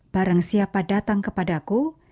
barang siapa datang kepadaku